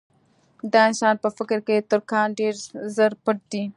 د انسان په فکر کې تر کان ډېر زر پټ دي.